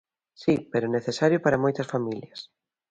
Si, pero necesario para moitas familias.